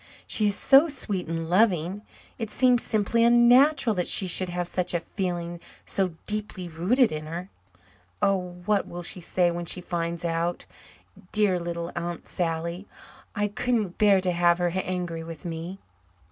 She is so sweet and loving, it seems simply unnatural that she should have such a feeling so deeply rooted in her. Oh, what will she say when she finds out dear little Aunt Sally? I couldn't bear to have her angry with me."